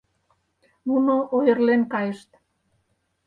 Нуно ойырлен кайышт.